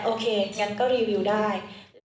โอเคงั้นก็รีวิวได้